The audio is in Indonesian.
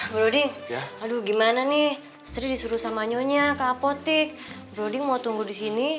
brody ya aduh gimana nih seri disuruh sama nyonya ke apotek brody mau tunggu di sini